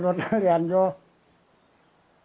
สวัสดีนะครับ